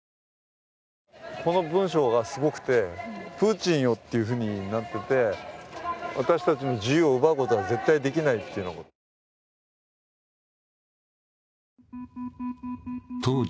この文章がすごくて、プーチンよっていうふうになってて、私たちの自由を奪うことは絶対できないと。